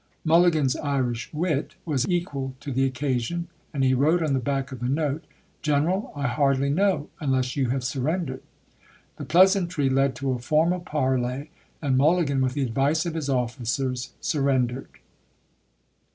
Mulligan's Irish wit was equal to the occa sion, and he wrote on the back of the note, " Gen eral, I hardly know, unless you have surrendered." The pleasantry led to a formal parley, and Mulligan, with the advice of his officers, surrendered.